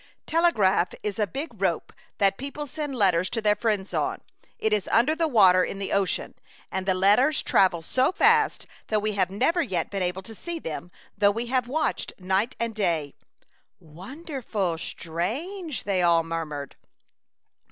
"Telegraph is a big rope that peo ple send letters to their friends on. It is under the water in the ocean, and the letters travel so fast that we have never yet been able to see them, though we have watched night and day." A Chautauqua Idyl. 93 " Wonderful, strange," they all mur mured.